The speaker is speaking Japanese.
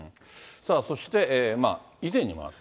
さあそして、以前にもある。